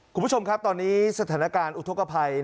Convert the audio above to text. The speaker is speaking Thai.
คุณผู้ชมครับตอนนี้สถานการณ์อุทธกภัย